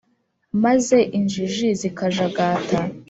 Maze injiji zikajagata